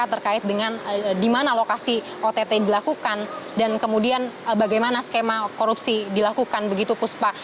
terkait dengan di mana lokasi ott dilakukan dan kemudian bagaimana skema korupsi dilakukan begitu puspa